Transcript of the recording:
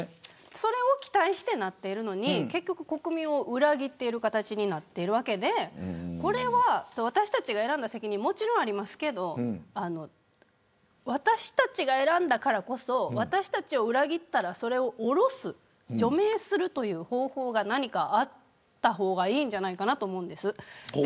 それを期待してなっているのに結局、国民を裏切っている形になってるわけでこれは、私たちが選んだ責任はもちろん、ありますが私たちが選んだからこそ私たちを裏切ったらそれを降ろす除名するという方法が何かあった方がいいんじゃないかと思うんです。